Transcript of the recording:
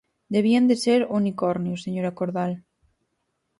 Debían de ser unicornios, señora Cordal.